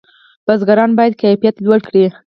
بزګران باید کیفیت لوړ کړي.